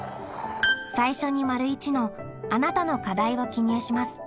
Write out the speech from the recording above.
最初に①の「あなたの課題」を記入します。